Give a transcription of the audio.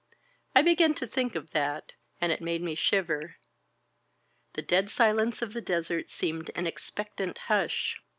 I began to think of that, and it made me shiver. The dead silence of the desert seemed an expectant hush.